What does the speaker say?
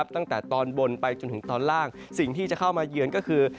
ตั้งแต่ตอนบนไปจนถึงตอนล่างสิ่งที่จะเข้ามาเยือนก็คือ